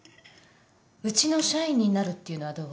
うちの社員になるっていうのはどう？